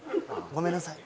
ごめんなさい。